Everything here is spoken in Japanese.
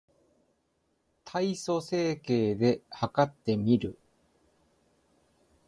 体組成計で計ってみる